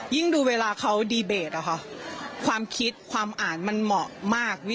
ยิ่งดูเวลาเขาค่ะความคิดความอ่านมันเหมาะมาก